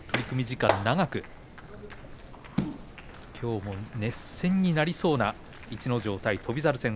時間が長くきょうも熱戦になりそうな逸ノ城対翔猿戦。